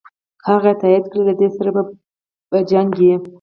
که هغه تایید کړې له دې بل سره په جنګ یې.